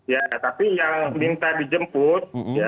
ya tapi yang minta dijemput